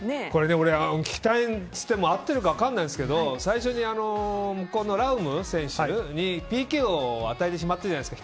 俺、聞きたいっていっても合ってるかわかんないんですけど最初に向こうのラウム選手にＰＫを与えてしまったじゃないですか。